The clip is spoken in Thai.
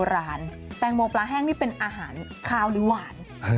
ข้างบัวแห่งสันยินดีต้อนรับทุกท่านนะครับ